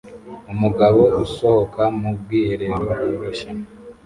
Umugabo usohoka mu bwiherero bworoshye